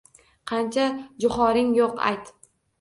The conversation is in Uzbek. Qancha joʻhoring yoʻq, ayt.